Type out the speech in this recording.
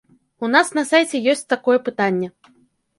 У нас на сайце ёсць такое пытанне.